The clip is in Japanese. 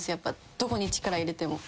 どこに力入れても。